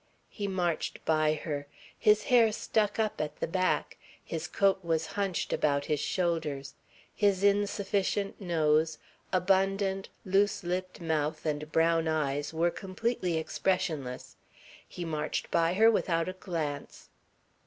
He marched by her. His hair stuck up at the back. His coat was hunched about his shoulders. His insufficient nose, abundant, loose lipped mouth and brown eyes were completely expressionless. He marched by her without a glance.